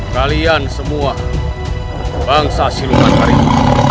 kalian semua bangsa silukan hari ini